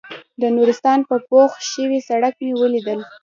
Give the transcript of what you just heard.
د نورستان په پوخ شوي سړک مې وليدل.